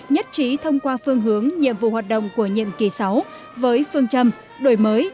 nhất trí thông qua phương hướng nhiệm vụ hoạt động của nhiệm kỳ sáu với phương châm đổi mới